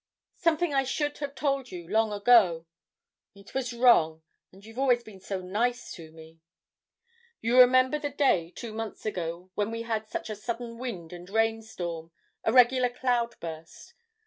"'Something I should have told you long ago it was wrong, and you've always been so nice to me ' "You remember the day, two months ago, when we had such a sudden wind and rain storm, a regular cloud burst?